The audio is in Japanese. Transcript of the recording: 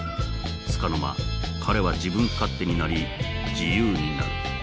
つかの間彼は自分勝手になり自由になる。